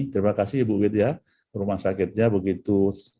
terima kasih ibu widya rumah sakitnya begitu